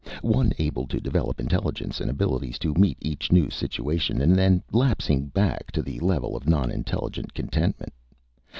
One able to develop intelligence and abilities to meet each new situation and then lapsing back to the level of non intelligent contentment?